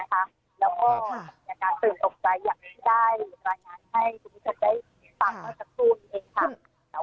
แล้วก็ในการเติมตกใจอย่างไม่ได้รายละเอียดให้คุณผู้ชมได้ฟังตัวสักทุ่มเองค่ะ